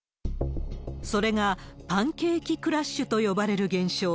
それが、パンケーキクラッシュと呼ばれる現象。